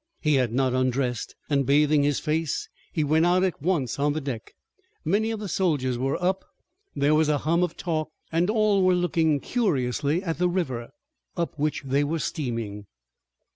He had not undressed, and, bathing his face, he went out at once on the deck. Many of the soldiers were up, there was a hum of talk, and all were looking curiously at the river up which they were steaming.